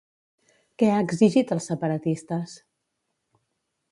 Què ha exigit als separatistes?